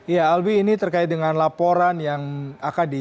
ya alwi ini terkait dengan laporan yang akan diberikan